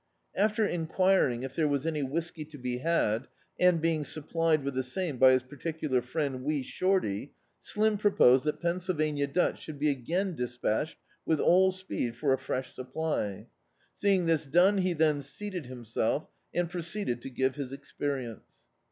After enquiring if there was any irfiisky to be had, and being supplied with the same by his par ticular friend Wee Shorty, Slim proposed diat Penn sylvania Dutch should be again despatched with all speed for a fresh supply. Seeing this done he then seated himself and proceeded to give his experience.